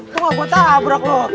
tuh gak buat tabrak loh